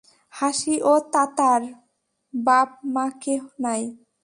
হাসি ও তাতার বাপ মা কেহ নাই।